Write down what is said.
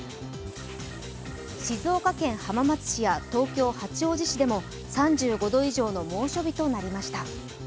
静岡県浜松市や東京・八王子市でも３５度以上の猛暑日となりました。